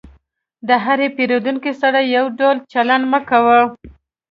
د هر پیرودونکي سره یو ډول چلند مه کوه.